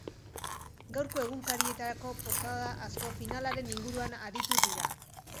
Gaurko egunkarietako portada asko finalaren inguruan aritu dira.